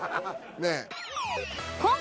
ねえ。